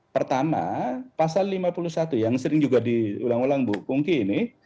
pertama pasal lima puluh satu yang sering juga diulang ulang bu pungki ini